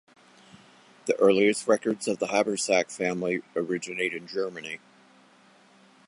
The earliest records of the Habersack family originate in Germany.